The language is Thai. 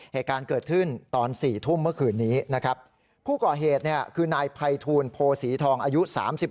เหตุการณ์เกิดขึ้นตอน๔ทุ่มเมื่อคืนนี้นะครับผู้ก่อเหตุเนี่ยคือนายภัยทูลโพศีทองอายุ๓๒